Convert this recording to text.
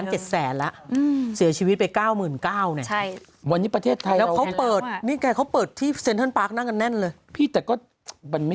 เยอะเหมือนเดิม